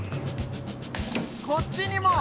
こっちにも！